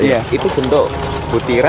iya itu bentuk butiran